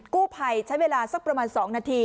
กู้ภัยใช้เวลาสักประมาณ๒นาที